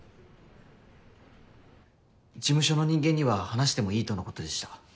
事務所の人間には話してもいいとのことでした。